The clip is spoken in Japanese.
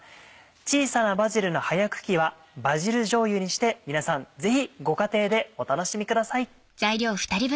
小さなバジルの葉や茎は「バジルじょうゆ」にして皆さんぜひご家庭でお楽しみください。